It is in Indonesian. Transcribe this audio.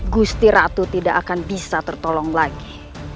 gusti ratu tidak akan bisa tertolong lagi